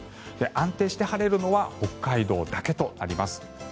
安定して晴れるのは北海道だけとなります。